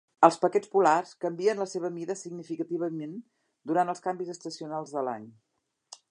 Els paquets polars canvien la seva mida significativament durant els canvis estacionals de l'any.